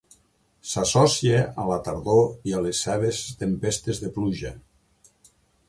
S'associa a la tardor i a les seves tempestes de pluja.